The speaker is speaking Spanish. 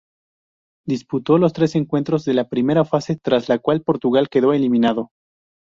Disputó los tres encuentros de la primera fase tras la cual Portugal quedó eliminado.